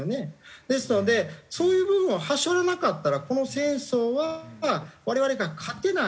ですのでそういう部分をはしょらなかったらこの戦争は我々が勝てない。